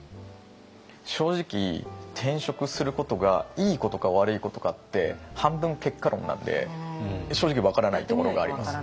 正直転職することがいいことか悪いことかって半分結果論なんで正直分からないところがあります。